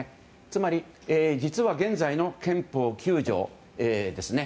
つまり、実は現在の憲法９条ですね。